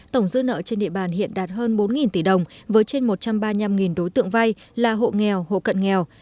tổng dư nợ trên địa bàn hiện đạt hơn bốn tỷ đồng với trên một trăm ba mươi năm đối tượng vay là hộ nghèo hộ cận nghèo